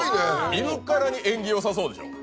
見るからに縁起よさそうでしょ。